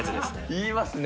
言いますね。